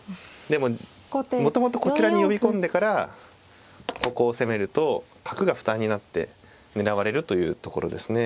でももともとこちらに呼び込んでからここを攻めると角が負担になって狙われるというところですね。